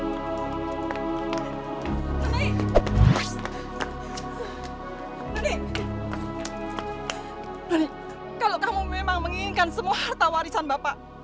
kalau kamu memang menginginkan semua harta warisan bapak